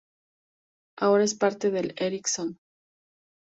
Ahora es parte de Ericsson.